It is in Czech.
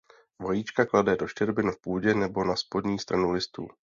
Vajíčka klade do štěrbin v půdě nebo na spodní stranu listů.